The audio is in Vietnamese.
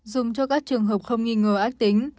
dùng cho các trường hợp không nghi ngờ ách tính